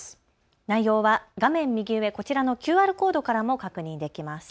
内容は画面右上、こちらのＱＲコードからも確認できます。